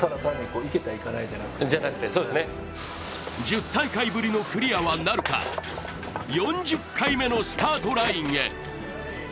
１０大会ぶりのクリアはなるか４０回目のスタートラインへ。